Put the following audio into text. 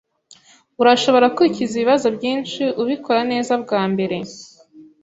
Urashobora kwikiza ibibazo byinshi ubikora neza bwa mbere